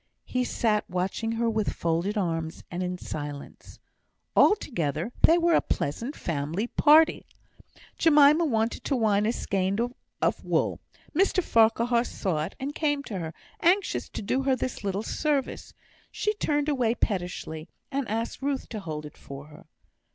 He sat watching her with folded arms, and in silence. Altogether they were a pleasant family party! Jemima wanted to wind a skein of wool. Mr Farquhar saw it, and came to her, anxious to do her this little service. She turned away pettishly, and asked Ruth to hold it for her.